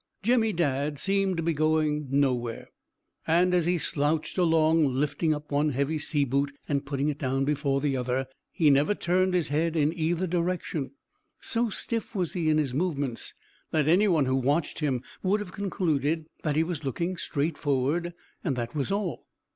Jemmy Dadd seemed to be going nowhere, and as he slouched along, lifting up one heavy sea boot and putting it down before the other, he never turned his head in either direction. So stiff was he in his movements, that any one who watched him would have concluded that he was looking straight forward, and that was all.